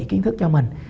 kiến thức cho mình